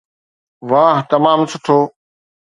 واهه تمام سٺو